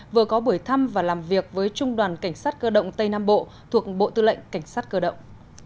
vừa có buổi thăm và làm việc với trung đoàn cảnh sát cơ động tây nam bộ thuộc bộ tư lệnh cảnh sát cơ động